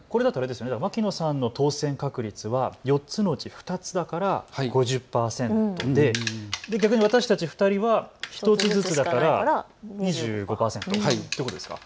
牧野さんの当せん確率は４つのうち２つだから５０％、逆に私たち２人は１つずつだから２５％ということですか。